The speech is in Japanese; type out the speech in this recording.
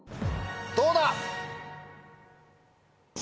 どうだ？